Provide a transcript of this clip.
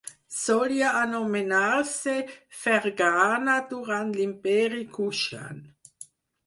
Solia anomenar-se 'ferghana', durant l'imperi Kushan.